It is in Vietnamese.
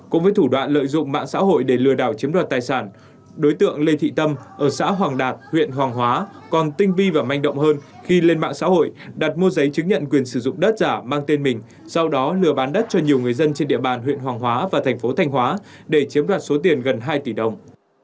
cũng với thủ đoạn lợi dụng mạng xã hội để lừa đảo chiếm đoạt tài sản đối tượng lê thị tâm ở xã hoàng đạt huyện hoàng hóa còn tinh vi và manh động hơn khi lên mạng xã hội đặt mua giấy chứng nhận quyền sử dụng đất giả mang tên mình sau đó lừa bán đất cho nhiều người dân trên địa bàn huyện hoàng hóa và thành phố thanh hóa để chiếm đoạt số tiền gần hai tỷ đồng